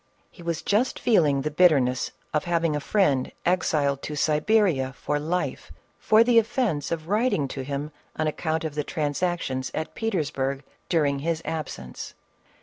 lie was just feeling the bitterness of having a friend exiled to Siberia for life, for the offence of writing to him an account of the transactions at Peters burg during his absence.